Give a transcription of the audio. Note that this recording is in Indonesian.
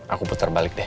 aku putar balik deh